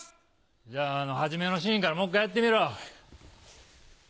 じゃあ初めのシーンからもう１回やってみろ。